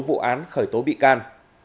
tố vụ án khởi tố bị can